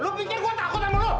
lu pikir gua takut sama lu